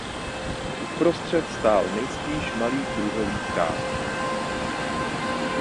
Uprostřed stál nejspíš malý kruhový chrám.